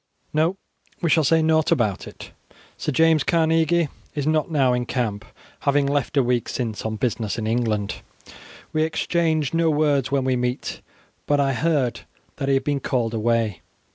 No; we will say nought about it. Sir James Carnegie is not now in camp, having left a week since on business in England. We exchange no words when we meet, but I heard that he had been called away.